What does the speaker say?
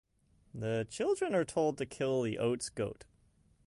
The children are told to kill the Oats Goat.